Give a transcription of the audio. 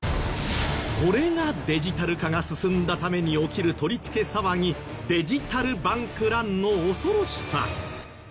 これがデジタル化が進んだために起きる取り付け騒ぎデジタル・バンク・ランの恐ろしさ。